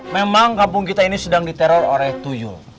memang kampung kita ini sedang diteror oleh tujuh